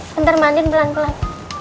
bentar mandiin pelan pelan